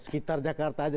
sekitar jakarta aja